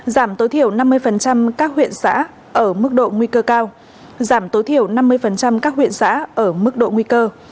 giảm tối thiểu năm mươi các huyện xã ở mức độ nguy cơ cao giảm tối thiểu năm mươi các huyện xã ở mức độ nguy cơ